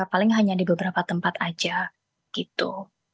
paling hanya di beberapa tempat aja gitu